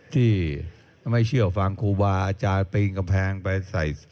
ที่ไม่เชื่อฟังครูบาอาจารย์ปีนกำแพงไปใส่